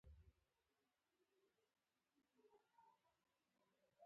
ډېر پښتانه له خپلې ژبې اوښتې دي